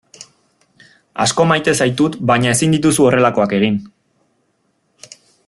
Asko maite zaitut baina ezin dituzu horrelakoak egin.